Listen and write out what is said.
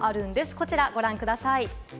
こちらをご覧ください。